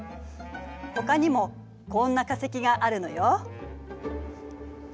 ほかにもこんな化石があるのよ。